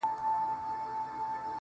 درد وچاته نه ورکوي,